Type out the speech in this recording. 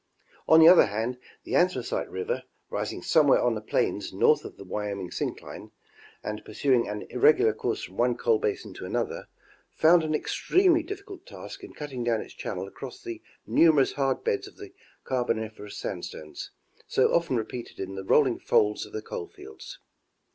On the other hand, the Anthracite river, rising somewhere on the plains north of the Wyoming syncline and pursuing an irregular course from one coal basin to another, found an extremely difficult task in cutting down its channel across the numerous hard beds of the Carboniferous sandstones, so often repeated in the rolling folds of the coal fields.